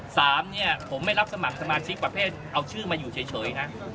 สามเนี่ยผมไม่รับสมัครสมาชิกประเภทเอาชื่อมาอยู่เฉยนะ